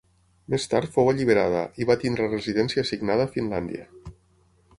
Més tard fou alliberada i va tenir residència assignada a Finlàndia.